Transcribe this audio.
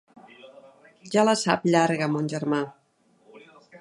Ja la sap llarga, mon germà!